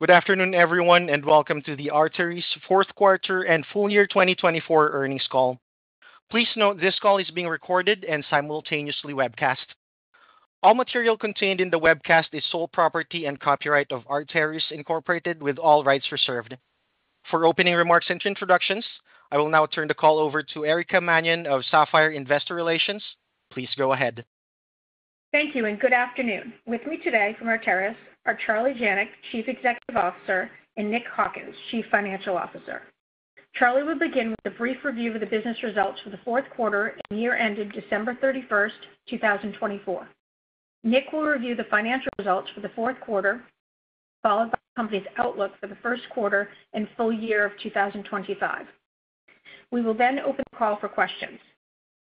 Good afternoon, everyone, and welcome to the Arteris Fourth Quarter and Full Year 2024 Earnings Call. Please note this call is being recorded and simultaneously webcast. All material contained in the webcast is sole property and copyright of Arteris Incorporated, with all rights reserved. For opening remarks and introductions, I will now turn the call over to Erica Mannion of Sapphire Investor Relations. Please go ahead. Thank you, and good afternoon. With me today from Arteris are Charlie Janac, Chief Executive Officer, and Nick Hawkins, Chief Financial Officer. Charlie will begin with a brief review of the business results for the fourth quarter and year-ending December 31st, 2024. Nick will review the financial results for the fourth quarter, followed by the company's outlook for the first quarter and full year of 2025. We will then open the call for questions.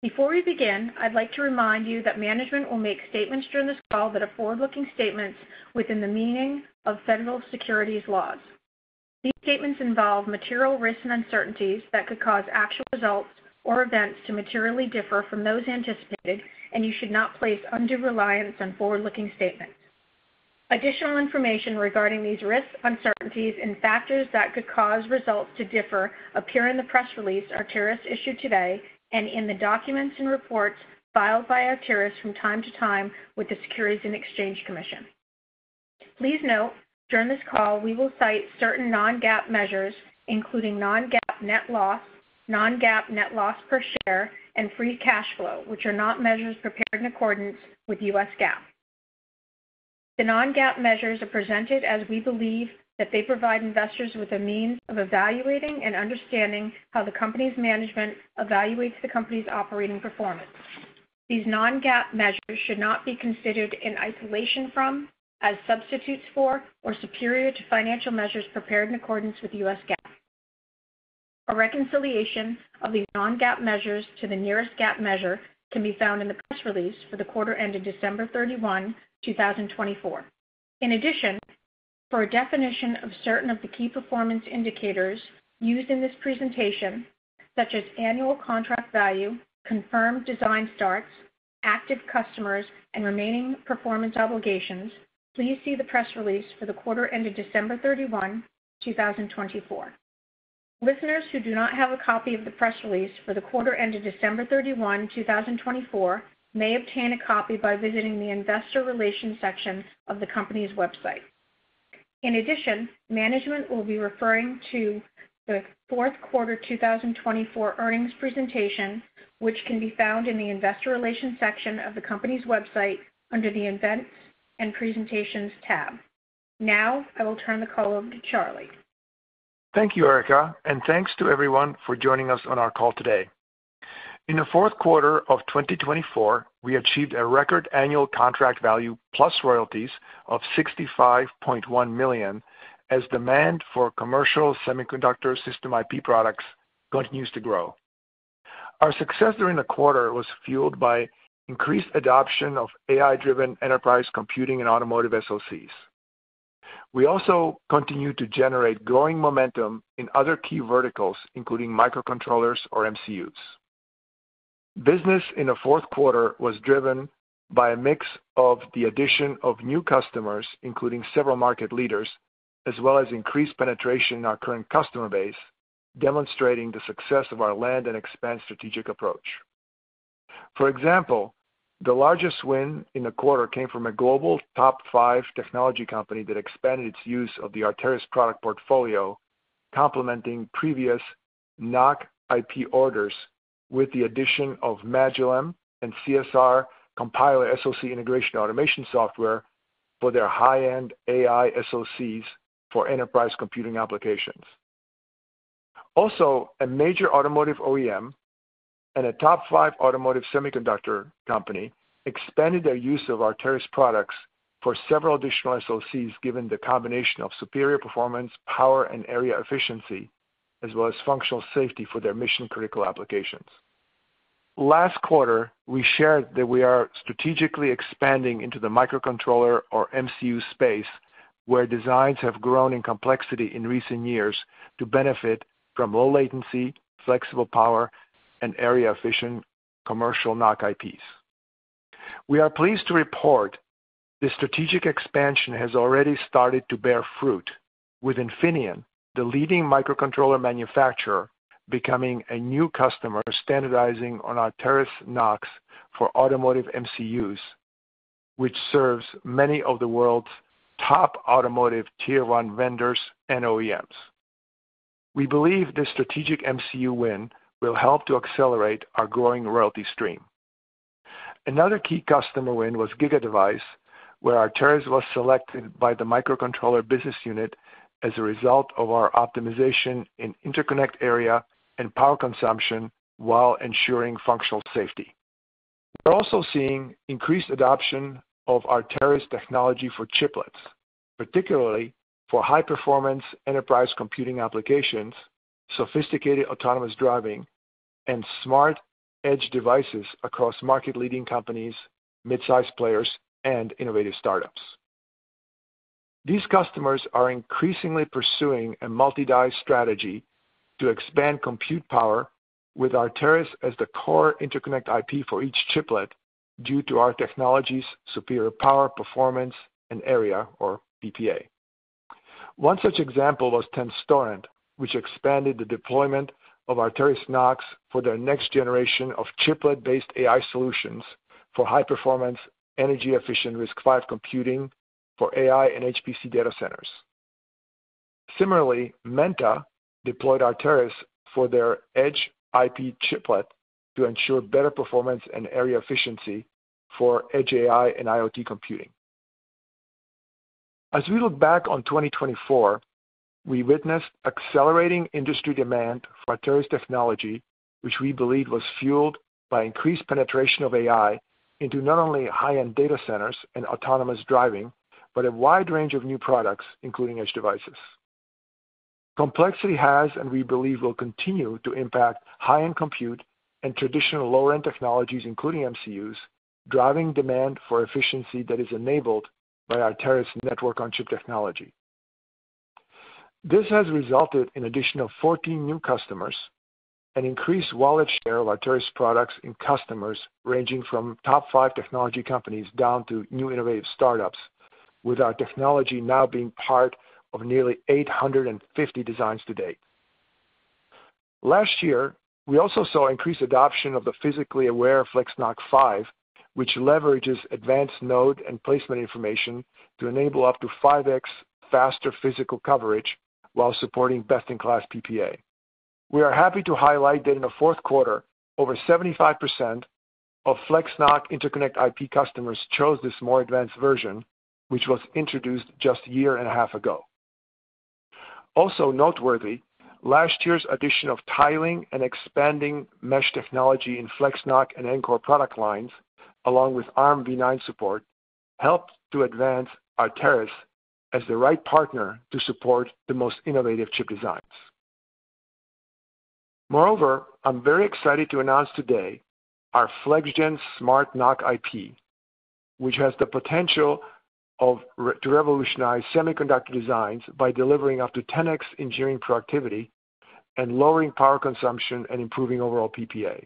Before we begin, I'd like to remind you that management will make statements during this call that are forward-looking statements within the meaning of federal securities laws. These statements involve material risks and uncertainties that could cause actual results or events to materially differ from those anticipated, and you should not place undue reliance on forward-looking statements. Additional information regarding these risks, uncertainties, and factors that could cause results to differ appear in the press release Arteris issued today and in the documents and reports filed by Arteris from time to time with the Securities and Exchange Commission. Please note, during this call, we will cite certain non-GAAP measures, including non-GAAP net loss, non-GAAP net loss per share, and free cash flow, which are not measures prepared in accordance with U.S. GAAP. The non-GAAP measures are presented as we believe that they provide investors with a means of evaluating and understanding how the company's management evaluates the company's operating performance. These non-GAAP measures should not be considered in isolation from, as substitutes for, or superior to financial measures prepared in accordance with U.S. GAAP. A reconciliation of the non-GAAP measures to the nearest GAAP measure can be found in the press release for the quarter ending December 31, 2024. In addition, for a definition of certain of the key performance indicators used in this presentation, such as annual contract value, confirmed design starts, active customers, and remaining performance obligations, please see the press release for the quarter ending December 31, 2024. Listeners who do not have a copy of the press release for the quarter ending December 31, 2024, may obtain a copy by visiting the Investor Relations section of the company's website. In addition, management will be referring to the fourth quarter 2024 earnings presentation, which can be found in the Investor Relations section of the company's website under the Events and Presentations tab. Now, I will turn the call over to Charlie. Thank you, Erica, and thanks to everyone for joining us on our call today. In the fourth quarter of 2024, we achieved a record annual contract value plus royalties of $65.1 million as demand for commercial semiconductor system IP products continues to grow. Our success during the quarter was fueled by increased adoption of AI-driven enterprise computing and automotive SoCs. We also continued to generate growing momentum in other key verticals, including microcontrollers or MCUs. Business in the fourth quarter was driven by a mix of the addition of new customers, including several market leaders, as well as increased penetration in our current customer base, demonstrating the success of our land and expand strategic approach. For example, the largest win in the quarter came from a global top five technology company that expanded its use of the Arteris product portfolio, complementing previous NoC IP orders with the addition of Magillem and CSRCompiler SoC Integration Automation Software for their high-end AI SoCs for enterprise computing applications. Also, a major automotive OEM and a top five automotive semiconductor company expanded their use of Arteris products for several additional SoCs given the combination of superior performance, power, and area efficiency, as well as functional safety for their mission-critical applications. Last quarter, we shared that we are strategically expanding into the microcontroller or MCU space, where designs have grown in complexity in recent years to benefit from low latency, flexible power, and area efficient commercial NoC IPs. We are pleased to report this strategic expansion has already started to bear fruit, with Infineon, the leading microcontroller manufacturer, becoming a new customer standardizing on Arteris NoCs for automotive MCUs, which serves many of the world's top automotive tier one vendors and OEMs. We believe this strategic MCU win will help to accelerate our growing royalty stream. Another key customer win was GigaDevice, where Arteris was selected by the microcontroller business unit as a result of our optimization in interconnect area and power consumption while ensuring functional safety. We're also seeing increased adoption of Arteris technology for chiplets, particularly for high-performance enterprise computing applications, sophisticated autonomous driving, and smart edge devices across market-leading companies, mid-size players, and innovative startups. These customers are increasingly pursuing a multi-die strategy to expand compute power with Arteris as the core interconnect IP for each chiplet due to our technology's superior power performance and area, or PPA. One such example was Tenstorrent, which expanded the deployment of Arteris NoCs for their next generation of chiplet-based AI solutions for high-performance, energy-efficient RISC-V computing for AI and HPC data centers. Similarly, Menta deployed Arteris for their edge IP chiplet to ensure better performance and area efficiency for edge AI and IoT computing. As we look back on 2024, we witnessed accelerating industry demand for Arteris technology, which we believe was fueled by increased penetration of AI into not only high-end data centers and autonomous driving, but a wide range of new products, including edge devices. Complexity has, and we believe, will continue to impact high-end compute and traditional low-end technologies, including MCUs, driving demand for efficiency that is enabled by Arteris network-on-chip technology. This has resulted in an addition of 14 new customers and an increased wallet share of Arteris products in customers ranging from top five technology companies down to new innovative startups, with our technology now being part of nearly 850 designs today. Last year, we also saw increased adoption of the physically aware FlexNoC 5, which leverages advanced node and placement information to enable up to 5x faster physical coverage while supporting best-in-class PPA. We are happy to highlight that in the fourth quarter, over 75% of FlexNoC interconnect IP customers chose this more advanced version, which was introduced just a year and a half ago. Also, noteworthy, last year's addition of tiling and expanding mesh technology in FlexNoC and Ncore product lines, along with Armv9 support, helped to advance Arteris as the right partner to support the most innovative chip designs. Moreover, I'm very excited to announce today our FlexGen Smart NoC IP, which has the potential to revolutionize semiconductor designs by delivering up to 10x engineering productivity and lowering power consumption and improving overall PPA.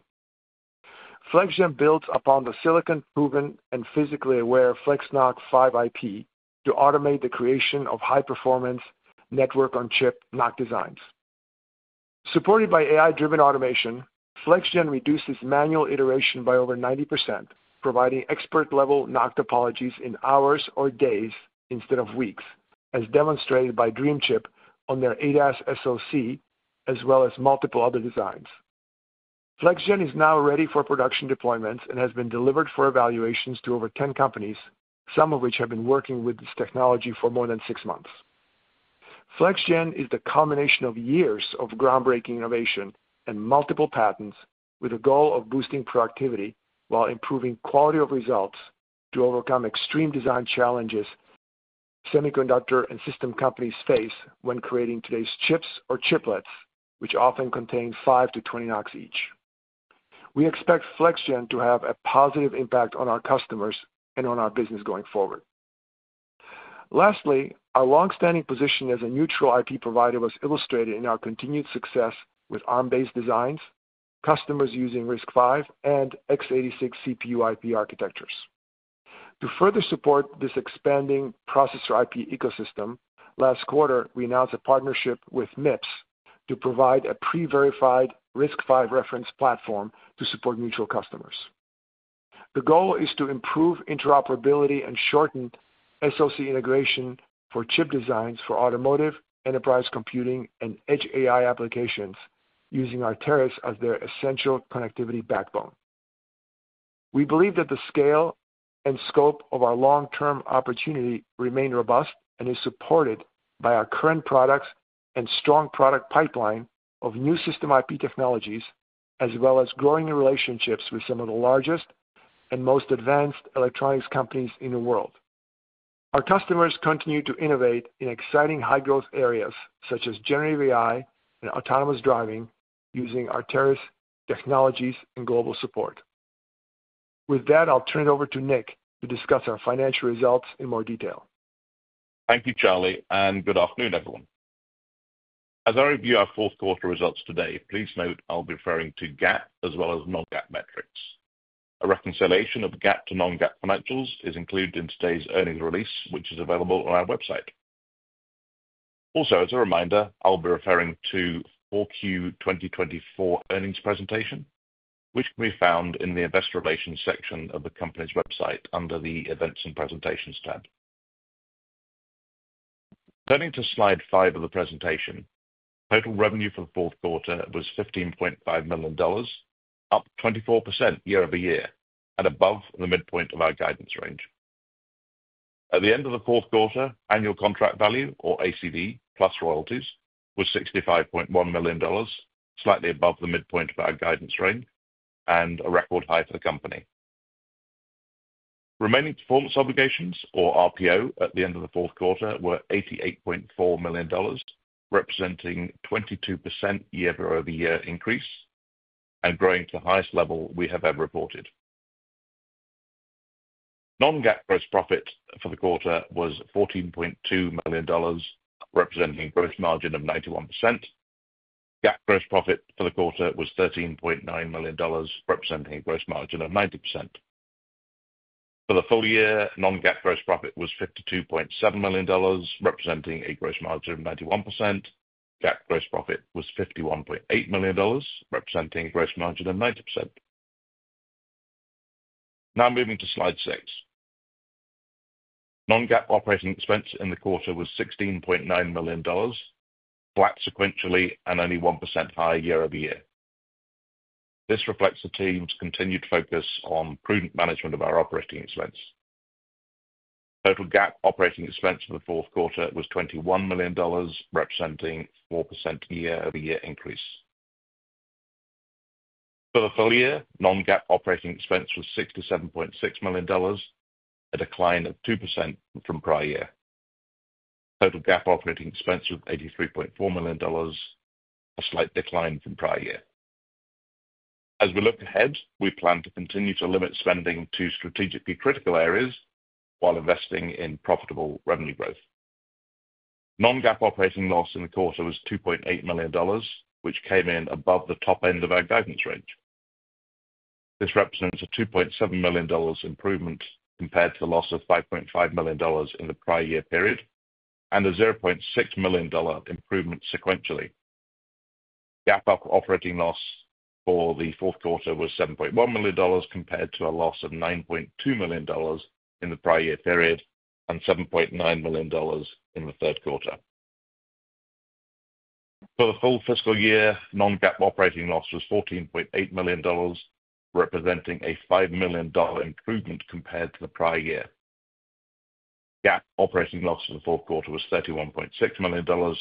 FlexGen builds upon the silicon-proven and physically aware FlexNoC 5 IP to automate the creation of high-performance network-on-chip NoC designs. Supported by AI-driven automation, FlexGen reduces manual iteration by over 90%, providing expert-level NoC topologies in hours or days instead of weeks, as demonstrated by Dream Chip on their ADAS SoC, as well as multiple other designs. FlexGen is now ready for production deployments and has been delivered for evaluations to over 10 companies, some of which have been working with this technology for more than six months. FlexGen is the combination of years of groundbreaking innovation and multiple patents, with a goal of boosting productivity while improving quality of results to overcome extreme design challenges semiconductor and system companies face when creating today's chips or chiplets, which often contain 5 to 20 NoCs each. We expect FlexGen to have a positive impact on our customers and on our business going forward. Lastly, our longstanding position as a neutral IP provider was illustrated in our continued success with Arm-based designs, customers using RISC-V, and x86 CPU IP architectures. To further support this expanding processor IP ecosystem, last quarter, we announced a partnership with MIPS to provide a pre-verified RISC-V reference platform to support mutual customers. The goal is to improve interoperability and shorten SoC integration for chip designs for automotive, enterprise computing, and edge AI applications using Arteris as their essential connectivity backbone. We believe that the scale and scope of our long-term opportunity remain robust and is supported by our current products and strong product pipeline of new system IP technologies, as well as growing relationships with some of the largest and most advanced electronics companies in the world. Our customers continue to innovate in exciting high-growth areas such as generative AI and autonomous driving using Arteris technologies and global support. With that, I'll turn it over to Nick to discuss our financial results in more detail. Thank you, Charlie, and good afternoon, everyone. As I review our fourth quarter results today, please note I'll be referring to GAAP as well as non-GAAP metrics. A reconciliation of GAAP to non-GAAP financials is included in today's earnings release, which is available on our website. Also, as a reminder, I'll be referring to 4Q 2024 earnings presentation, which can be found in the Investor Relations section of the company's website under the Events and Presentations tab. Turning to slide five of the presentation, total revenue for the fourth quarter was $15.5 million, up 24% year over year, and above the midpoint of our guidance range. At the end of the fourth quarter, annual contract value, or ACV, plus royalties was $65.1 million, slightly above the midpoint of our guidance range and a record high for the company. Remaining performance obligations, or RPO, at the end of the fourth quarter were $88.4 million, representing a 22% year-over-year increase and growing to the highest level we have ever reported. Non-GAAP gross profit for the quarter was $14.2 million, representing a gross margin of 91%. GAAP gross profit for the quarter was $13.9 million, representing a gross margin of 90%. For the full year, non-GAAP gross profit was $52.7 million, representing a gross margin of 91%. GAAP gross profit was $51.8 million, representing a gross margin of 90%. Now moving to slide six. Non-GAAP operating expense in the quarter was $16.9 million, flat sequentially and only 1% higher year over year. This reflects the team's continued focus on prudent management of our operating expense. Total GAAP operating expense for the fourth quarter was $21 million, representing a 4% year-over-year increase. For the full year, non-GAAP operating expense was $67.6 million, a decline of 2% from prior year. Total GAAP operating expense was $83.4 million, a slight decline from prior year. As we look ahead, we plan to continue to limit spending to strategically critical areas while investing in profitable revenue growth. Non-GAAP operating loss in the quarter was $2.8 million, which came in above the top end of our guidance range. This represents a $2.7 million improvement compared to the loss of $5.5 million in the prior year period and a $0.6 million improvement sequentially. GAAP operating loss for the fourth quarter was $7.1 million compared to a loss of $9.2 million in the prior year period and $7.9 million in the third quarter. For the full fiscal year, non-GAAP operating loss was $14.8 million, representing a $5 million improvement compared to the prior year. GAAP operating loss for the fourth quarter was $31.6 million,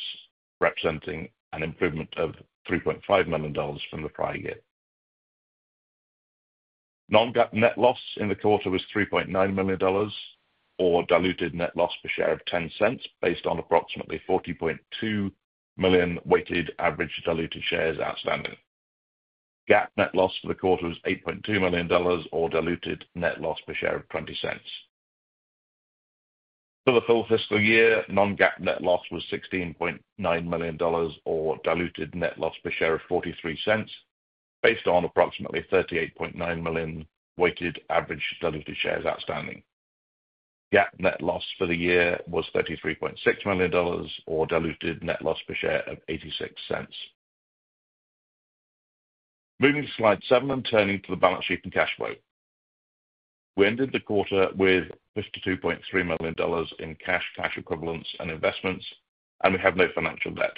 representing an improvement of $3.5 million from the prior year. Non-GAAP net loss in the quarter was $3.9 million, or diluted net loss per share of $0.10, based on approximately 40.2 million weighted average diluted shares outstanding. GAAP net loss for the quarter was $8.2 million, or diluted net loss per share of $0.20. For the full fiscal year, non-GAAP net loss was $16.9 million, or diluted net loss per share of $0.43, based on approximately 38.9 million weighted average diluted shares outstanding. GAAP net loss for the year was $33.6 million, or diluted net loss per share of $0.86. Moving to slide seven and turning to the balance sheet and cash flow. We ended the quarter with $52.3 million in cash, cash equivalents, and investments, and we have no financial debt.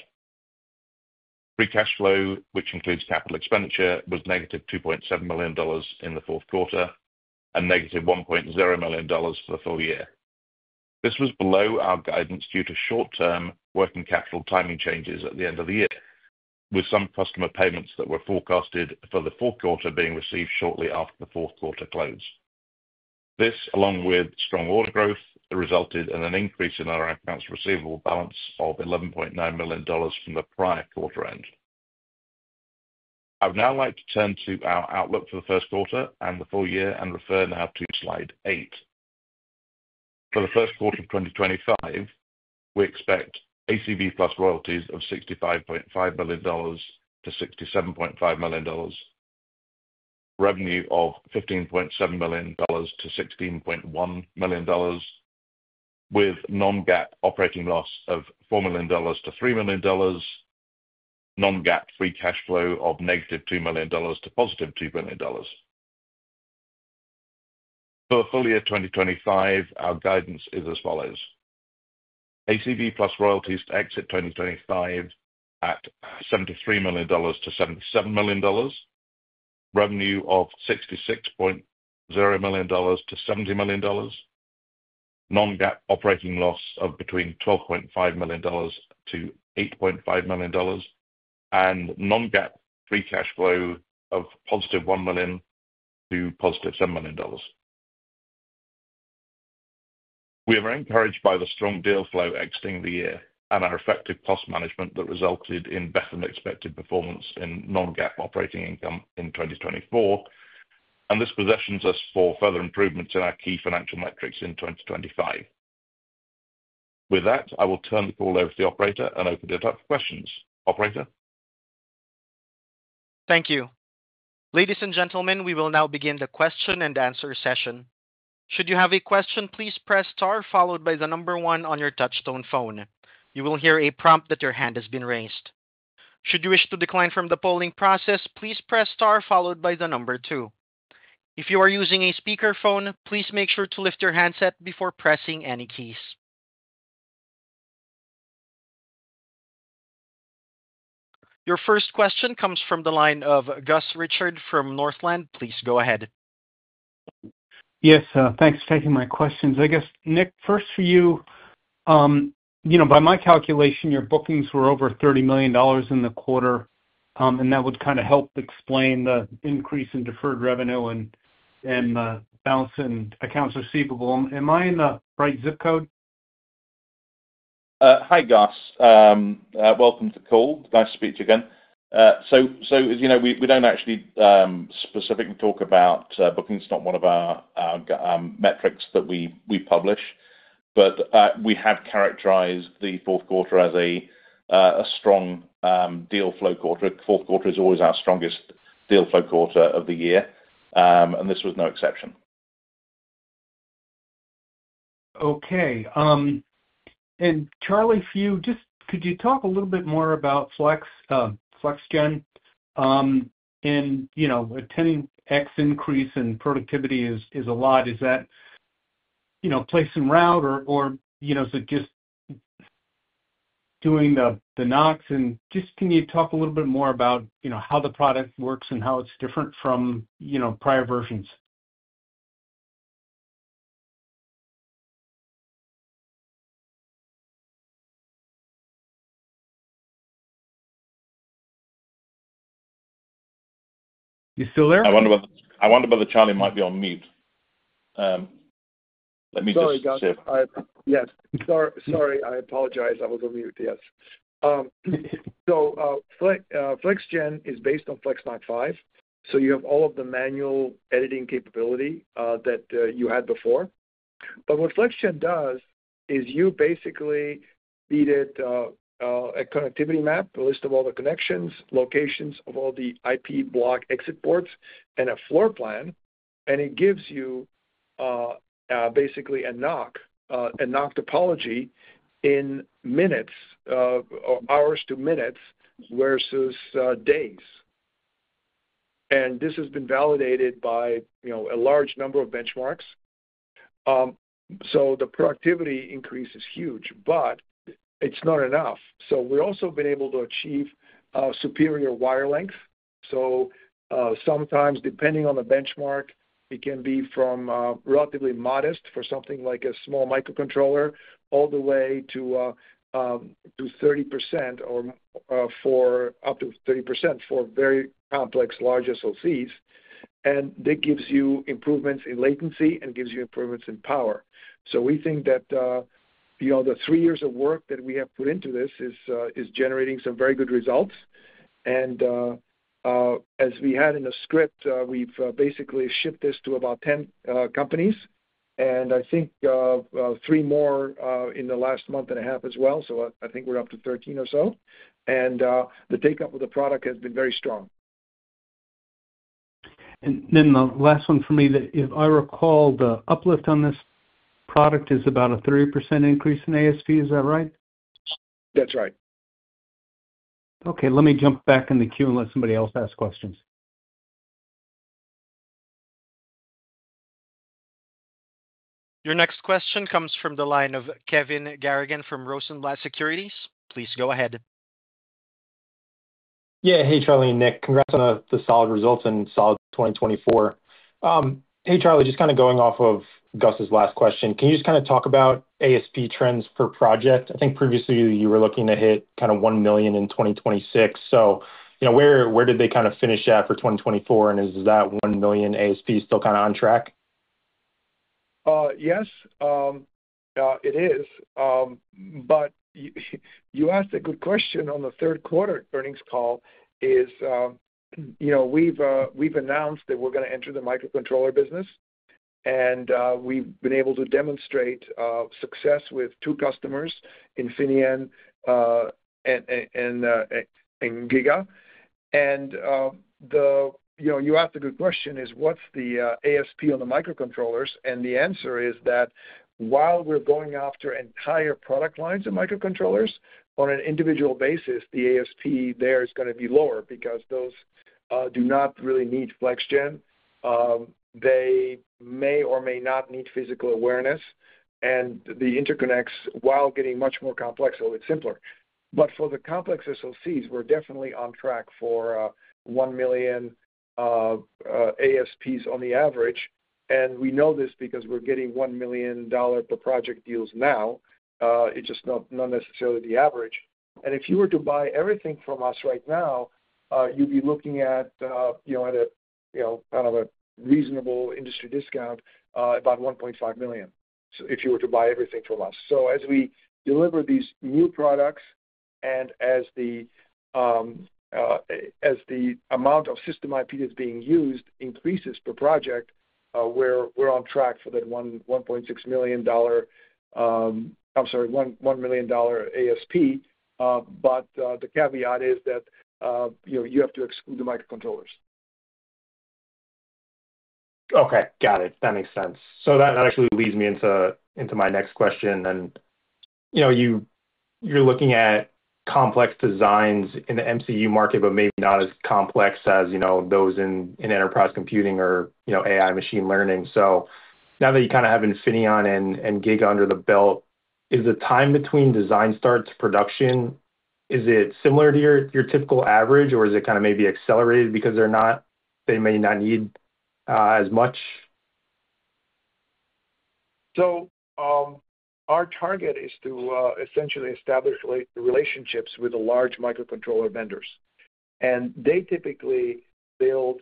Free cash flow, which includes capital expenditure, was negative $2.7 million in the fourth quarter and negative $1.0 million for the full year. This was below our guidance due to short-term working capital timing changes at the end of the year, with some customer payments that were forecasted for the fourth quarter being received shortly after the fourth quarter close. This, along with strong order growth, resulted in an increase in our accounts receivable balance of $11.9 million from the prior quarter end. I would now like to turn to our outlook for the first quarter and the full year and refer now to slide eight. For the first quarter of 2025, we expect ACV plus royalties of $65.5 million-$67.5 million, revenue of $15.7 million-$16.1 million, with non-GAAP operating loss of $4 million-$3 million, non-GAAP free cash flow of negative $2 million to positive $2 million. For the full year 2025, our guidance is as follows: ACV plus royalties to exit 2025 at $73 million-$77 million, revenue of $66.0 million-$70 million, non-GAAP operating loss of between $12.5 million-$8.5 million, and non-GAAP free cash flow of positive $1 million-$7 million. We are very encouraged by the strong deal flow exiting the year and our effective cost management that resulted in better than expected performance in non-GAAP operating income in 2024, and this positions us for further improvements in our key financial metrics in 2025. With that, I will turn the call over to the operator and open it up for questions. Operator. Thank you. Ladies and gentlemen, we will now begin the question and answer session. Should you have a question, please press star followed by the number one on your touch-tone phone. You will hear a prompt that your hand has been raised. Should you wish to decline from the polling process, please press star followed by the number two. If you are using a speakerphone, please make sure to lift your handset before pressing any keys. Your first question comes from the line of Gus Richard from Northland. Please go ahead. Yes, thanks for taking my questions. I guess, Nick, first for you, you know, by my calculation, your bookings were over $30 million in the quarter, and that would kind of help explain the increase in deferred revenue and the balance in accounts receivable. Am I in the right zip code? Hi, Gus. Welcome to the call. Nice to speak to you again. So, as you know, we don't actually specifically talk about bookings. It's not one of our metrics that we publish, but we have characterized the fourth quarter as a strong deal flow quarter. Fourth quarter is always our strongest deal flow quarter of the year, and this was no exception. Okay. And Charlie, if you could just talk a little bit more about FlexGen? And a 10x increase in productivity is a lot. Is that place and route, or is it just doing the NoCs? And can you just talk a little bit more about how the product works and how it's different from prior versions? You still there? I wonder whether Charlie might be on mute. Let me just. Sorry, Gus. Yes. Sorry, I apologize. I was on mute, yes. So FlexGen is based on FlexNoC 5, so you have all of the manual editing capability that you had before. But what FlexGen does is you basically feed it a connectivity map, a list of all the connections, locations of all the IP block exit ports, and a floor plan, and it gives you basically a NoC, a NoC topology, in minutes, hours to minutes versus days. And this has been validated by a large number of benchmarks. So the productivity increase is huge, but it's not enough. So we've also been able to achieve superior wire length. So sometimes, depending on the benchmark, it can be from relatively modest for something like a small microcontroller all the way to 30% or up to 30% for very complex large SoCs. And that gives you improvements in latency and gives you improvements in power. So we think that the three years of work that we have put into this is generating some very good results. And as we had in the script, we've basically shipped this to about 10 companies, and I think three more in the last month and a half as well. So I think we're up to 13 or so. And the take-up of the product has been very strong. And then the last one for me, that if I recall, the uplift on this product is about a 30% increase in ASP. Is that right? That's right. Okay. Let me jump back in the queue and let somebody else ask questions. Your next question comes from the line of Kevin Garrigan from Rosenblatt Securities. Please go ahead. Yeah. Hey, Charlie and Nick. Congrats on the solid results and solid 2024. Hey, Charlie, just kind of going off of Gus's last question, can you just kind of talk about ASP trends per project? I think previously you were looking to hit kind of $1 million in 2026. So where did they kind of finish at for 2024? And is that $1 million ASP still kind of on track? Yes, it is. But you asked a good question on the third quarter earnings call, as we've announced that we're going to enter the microcontroller business, and we've been able to demonstrate success with two customers, Infineon and Giga. And you asked a good question: what's the ASP on the microcontrollers? And the answer is that while we're going after entire product lines of microcontrollers on an individual basis, the ASP there is going to be lower because those do not really need FlexGen. They may or may not need physical awareness. And the interconnects, while getting much more complex, are a bit simpler. But for the complex SoCs, we're definitely on track for $1 million ASPs on the average. And we know this because we're getting $1 million per project deals now. It's just not necessarily the average. And if you were to buy everything from us right now, you'd be looking at kind of a reasonable industry discount, about $1.5 million if you were to buy everything from us. So as we deliver these new products and as the amount of system IP that's being used increases per project, we're on track for that $1.6 million, I'm sorry, $1 million ASP. But the caveat is that you have to exclude the microcontrollers. Okay. Got it. That makes sense, so that actually leads me into my next question. And you're looking at complex designs in the MCU market, but maybe not as complex as those in enterprise computing or AI machine learning, so now that you kind of have Infineon and Giga under the belt, is the time between design start to production similar to your typical average, or is it kind of maybe accelerated because they may not need as much? Our target is to essentially establish relationships with the large microcontroller vendors. They typically build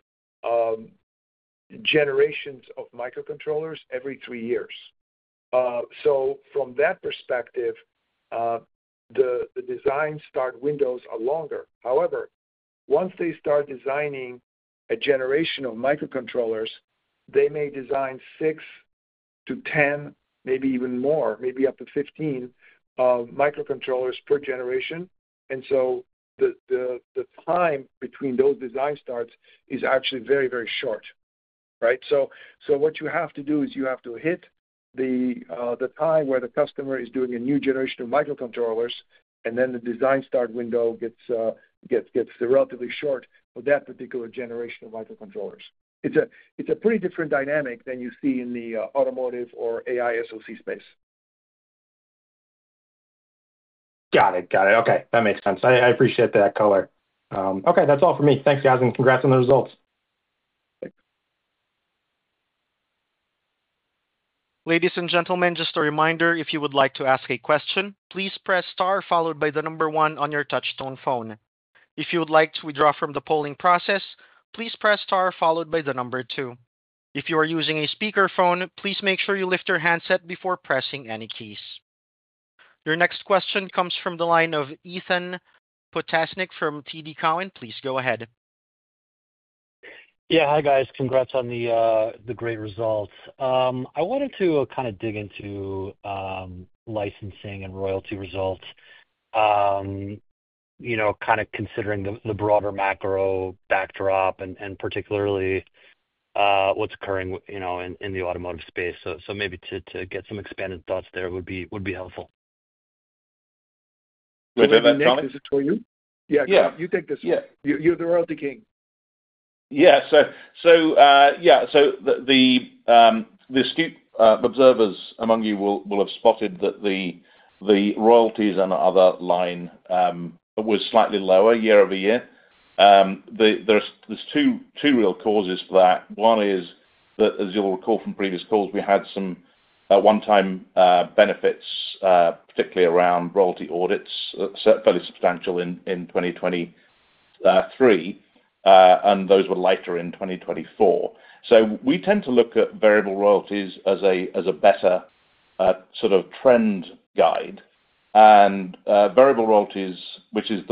generations of microcontrollers every three years. From that perspective, the design start windows are longer. However, once they start designing a generation of microcontrollers, they may design six to 10, maybe even more, maybe up to 15 microcontrollers per generation. The time between those design starts is actually very, very short, right? What you have to do is you have to hit the time where the customer is doing a new generation of microcontrollers, and then the design start window gets relatively short for that particular generation of microcontrollers. It's a pretty different dynamic than you see in the automotive or AI SoC space. Got it. Got it. Okay. That makes sense. I appreciate that color. Okay. That's all for me. Thanks, guys. And congrats on the results. Thanks. Ladies and gentlemen, just a reminder, if you would like to ask a question, please press star followed by the number one on your touch-tone phone. If you would like to withdraw from the polling process, please press star followed by the number two. If you are using a speakerphone, please make sure you lift your handset before pressing any keys. Your next question comes from the line of Ethan Potasnick from TD Cowen. Please go ahead. Yeah. Hi, guys. Congrats on the great results. I wanted to kind of dig into licensing and royalty results, kind of considering the broader macro backdrop and particularly what's occurring in the automotive space. So maybe to get some expanded thoughts there would be helpful. Does that make sense for you? Yeah. You take this one. You're the royalty king. Yeah. So the astute observers among you will have spotted that the royalties on the other line were slightly lower year over year. There's two real causes for that. One is that, as you'll recall from previous calls, we had some one-time benefits, particularly around royalty audits, fairly substantial in 2023, and those were later in 2024. So we tend to look at variable royalties as a better sort of trend guide. And variable royalties, which is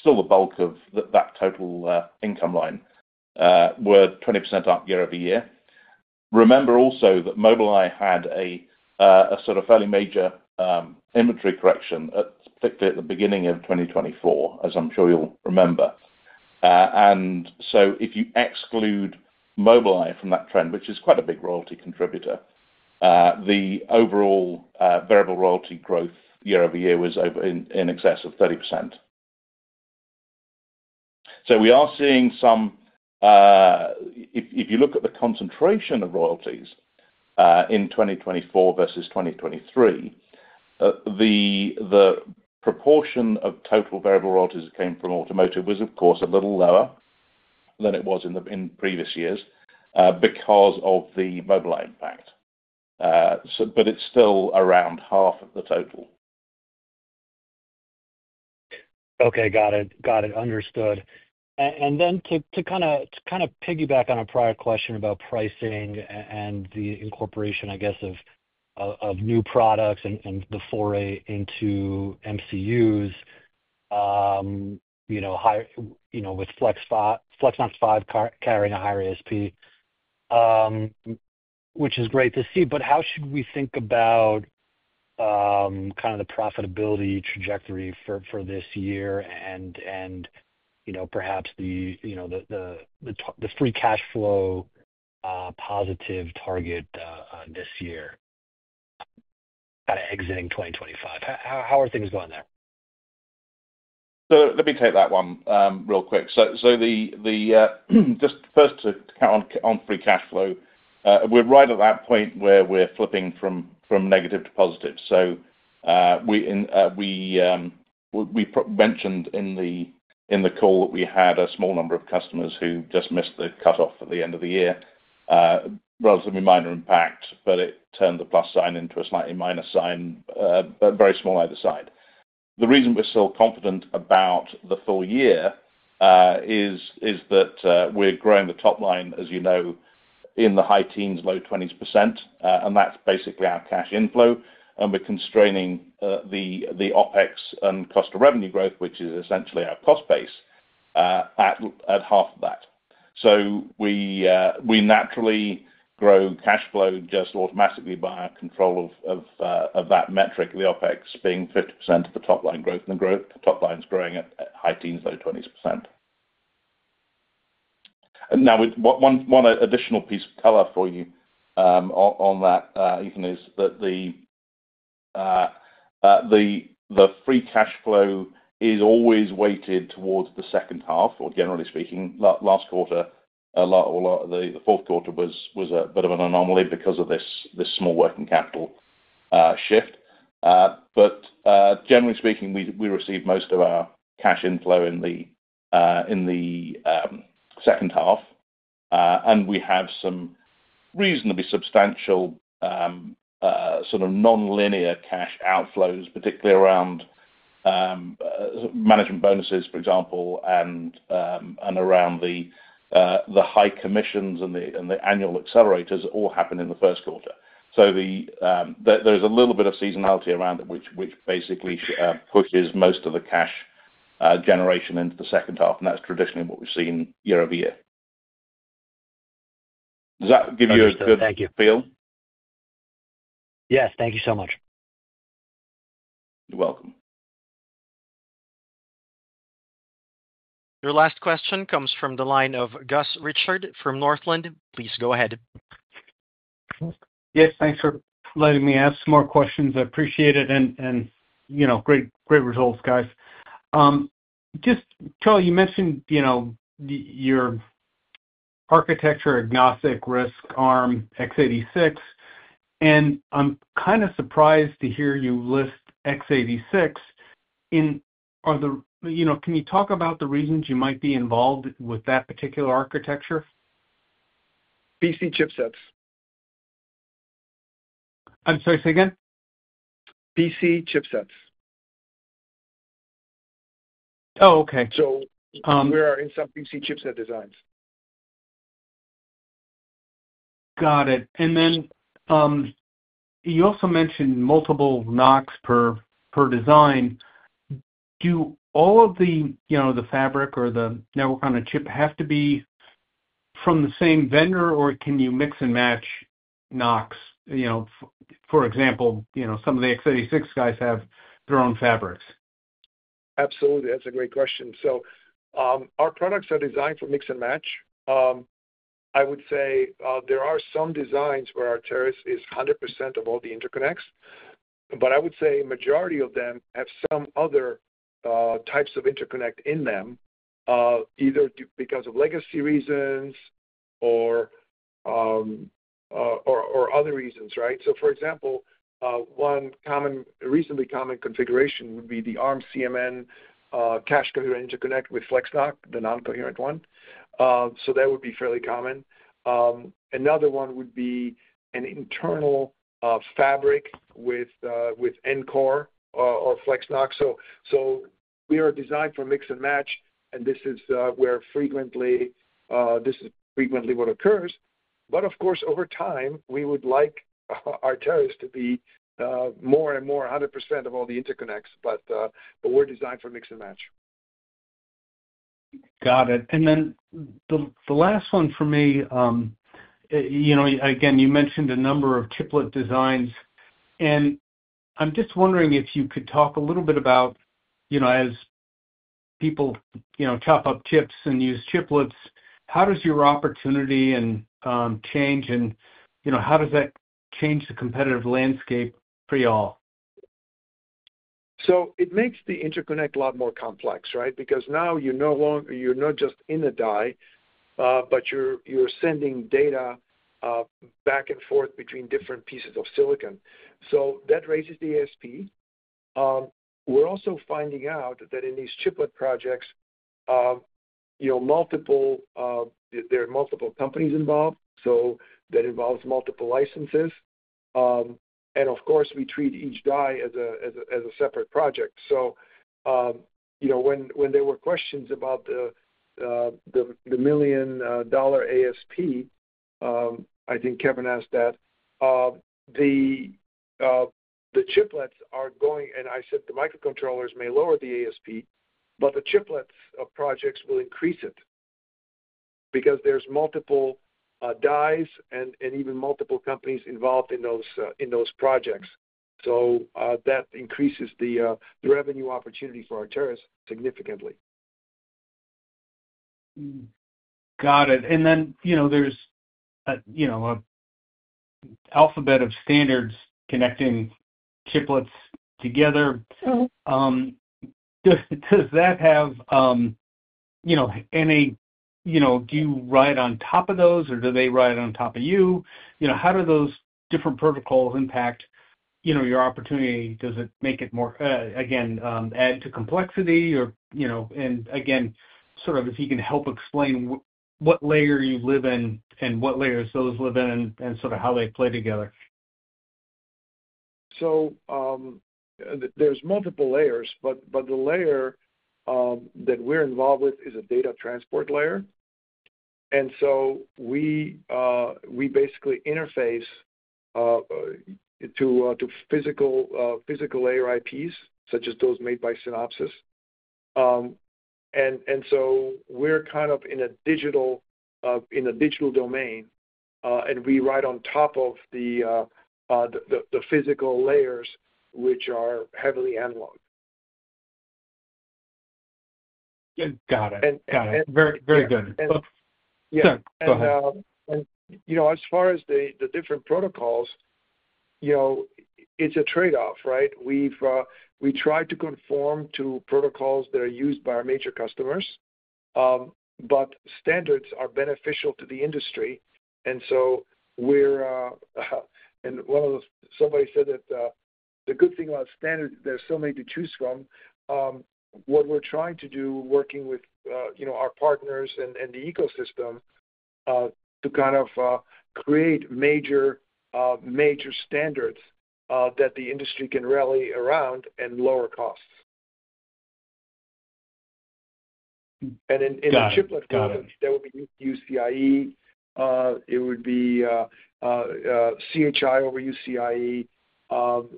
still the bulk of that total income line, were 20% up year over year. Remember also that Mobileye had a sort of fairly major inventory correction, particularly at the beginning of 2024, as I'm sure you'll remember. And so if you exclude Mobileye from that trend, which is quite a big royalty contributor, the overall variable royalty growth year over year was in excess of 30%. We are seeing some, if you look at the concentration of royalties in 2024 versus 2023, the proportion of total variable royalties that came from automotive was, of course, a little lower than it was in previous years because of the Mobileye impact. It's still around half of the total. Okay. Got it. Got it. Understood. And then to kind of piggyback on a prior question about pricing and the incorporation, I guess, of new products and the foray into MCUs with FlexNoC 5 carrying a higher ASP, which is great to see. But how should we think about kind of the profitability trajectory for this year and perhaps the free cash flow positive target this year, kind of exiting 2025? How are things going there? So let me take that one real quick. So just first to comment on free cash flow, we're right at that point where we're flipping from negative to positive. So we mentioned in the call that we had a small number of customers who just missed the cutoff at the end of the year, relatively minor impact, but it turned the plus sign into a slightly minus sign, but very small either side. The reason we're still confident about the full year is that we're growing the top line, as you know, in the high teens, low 20s%, and that's basically our cash inflow. And we're constraining the OpEx and cost of revenue growth, which is essentially our cost base, at half of that. We naturally grow cash flow just automatically by control of that metric, the OpEx being 50% of the top line growth and the top line's growing at high teens, low 20s %. Now, one additional piece of color for you on that, Ethan, is that the free cash flow is always weighted towards the second half, or generally speaking, last quarter, or the fourth quarter was a bit of an anomaly because of this small working capital shift, but generally speaking, we receive most of our cash inflow in the second half, and we have some reasonably substantial sort of non-linear cash outflows, particularly around management bonuses, for example, and around the high commissions and the annual accelerators that all happen in the first quarter, so there's a little bit of seasonality around it, which basically pushes most of the cash generation into the second half. And that's traditionally what we've seen year over year. Does that give you a good feel? Sounds good. Thank you. Yes. Thank you so much. You're welcome. Your last question comes from the line of Gus Richard from Northland. Please go ahead. Yes. Thanks for letting me ask some more questions. I appreciate it. And great results, guys. Just, Charlie, you mentioned your architecture-agnostic RISC, Arm, x86. And I'm kind of surprised to hear you list x86. Can you talk about the reasons you might be involved with that particular architecture? BC chipsets. I'm sorry. Say again? BC chipsets. Oh, okay. We are in some BC chipset designs. Got it. And then you also mentioned multiple NoCs per design. Do all of the fabric or the network on a chip have to be from the same vendor, or can you mix and match NoCs? For example, some of the x86 guys have their own fabrics. Absolutely. That's a great question. So our products are designed for mix and match. I would say there are some designs where our Arteris is 100% of all the interconnects. But I would say a majority of them have some other types of interconnect in them, either because of legacy reasons or other reasons, right? So for example, one reasonably common configuration would be the Arm CMN cache coherent interconnect with FlexNoC, the non-coherent one. So that would be fairly common. Another one would be an internal fabric with Ncore or FlexNoC. So we are designed for mix and match, and this is where this frequently occurs. But of course, over time, we would like our Arteris to be more and more 100% of all the interconnects, but we're designed for mix and match. Got it. And then the last one for me, again, you mentioned a number of chiplet designs. And I'm just wondering if you could talk a little bit about, as people chop up chips and use chiplets, how does your opportunity change and how does that change the competitive landscape for y'all? So it makes the interconnect a lot more complex, right? Because now you're not just in a die, but you're sending data back and forth between different pieces of silicon. So that raises the ASP. We're also finding out that in these chiplet projects, there are multiple companies involved. So that involves multiple licenses. And of course, we treat each die as a separate project. So when there were questions about the $1 million ASP, I think Kevin asked that. The chiplets are going, and I said the microcontrollers may lower the ASP, but the chiplet projects will increase it because there's multiple dies and even multiple companies involved in those projects. So that increases the revenue opportunity for Arteris significantly. Got it. And then there's an alphabet of standards connecting chiplets together. Does that have any? Do you ride on top of those, or do they ride on top of you? How do those different protocols impact your opportunity? Does it make it more, again, add to complexity? And again, sort of if you can help explain what layer you live in and what layers those live in and sort of how they play together. So there's multiple layers, but the layer that we're involved with is a data transport layer. And so we basically interface to physical layer IPs, such as those made by Synopsys. And so we're kind of in a digital domain, and we ride on top of the physical layers, which are heavily analog. Got it. Got it. Very good. Go ahead. And as far as the different protocols, it's a trade-off, right? We try to conform to protocols that are used by our major customers, but standards are beneficial to the industry. And so, somebody said that the good thing about standards, there's so many to choose from. What we're trying to do, working with our partners and the ecosystem to kind of create major standards that the industry can rally around and lower costs. And in the chiplet companies, that would be UCIe. It would be CHI over UCIe, those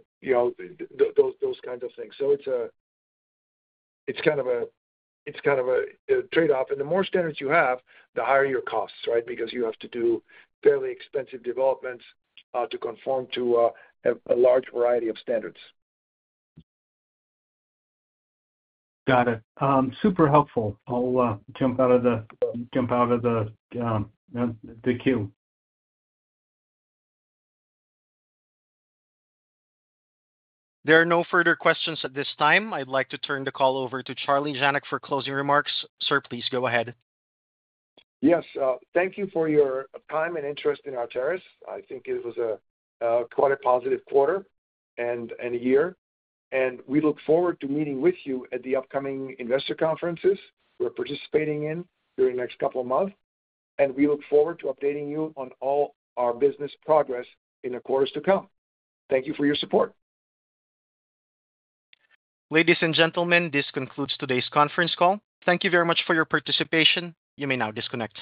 kinds of things. So it's kind of a trade-off. And the more standards you have, the higher your costs, right? Because you have to do fairly expensive developments to conform to a large variety of standards. Got it. Super helpful. I'll jump out of the queue. There are no further questions at this time. I'd like to turn the call over to Charlie Janac for closing remarks. Sir, please go ahead. Yes. Thank you for your time and interest in our Arteris. I think it was quite a positive quarter and a year. We look forward to meeting with you at the upcoming investor conferences we're participating in during the next couple of months. We look forward to updating you on all our business progress in the quarters to come. Thank you for your support. Ladies and gentlemen, this concludes today's conference call. Thank you very much for your participation. You may now disconnect.